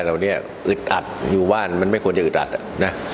เหล่านี้อึดอัดอยู่บ้านมันไม่ควรจะอึดอัดอ่ะนะ